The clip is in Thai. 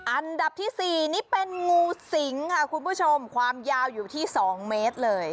อันดับที่๔นี่เป็นงูสิงค่ะคุณผู้ชมความยาวอยู่ที่๒เมตรเลย